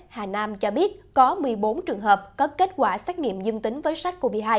hà nam cho biết có một mươi bốn trường hợp có kết quả xét nghiệm dương tính với sars cov hai